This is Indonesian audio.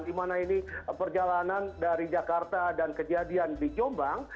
di mana ini perjalanan dari jakarta dan kejadian di jombang